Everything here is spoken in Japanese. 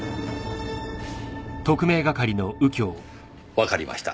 わかりました。